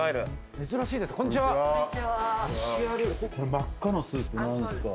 真っ赤なスープ何ですか？